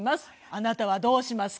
あなたはどうしますか？